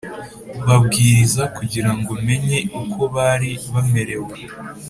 Babwiriza kugira ngo menye uko bari bamerewe